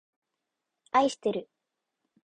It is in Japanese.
あいしてる